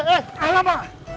eh eh eh alamak